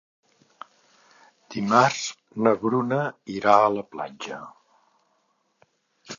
Dimarts na Bruna irà a la platja.